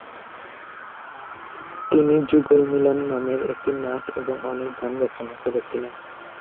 তিনি "যুগল মিলন" নামের একটি নাট এবং অনেক গান রচনা করেছিলেন।